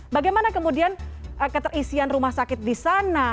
bagaimana kemudian keterisian rumah sakit di sana